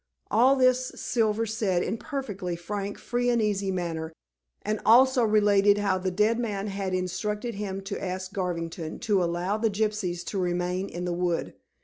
All this Silver said in a perfectly frank, free and easy manner, and also related how the dead man had instructed him to ask Garvington to allow the gypsies to remain in the wood.